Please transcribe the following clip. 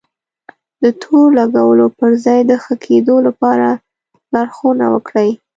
د تور لګولو پر ځای د ښه کېدو لپاره لارښونه وکړئ.